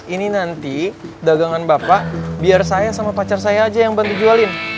ini nanti dagangan bapak biar saya sama pacar saya aja yang bantu jualin